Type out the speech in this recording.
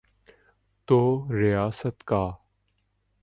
تو ریاست کا۔